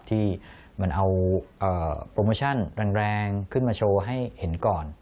ที่มันเอาโปรโมชั่นแรงขึ้นมาโชว์ให้เห็นก่อน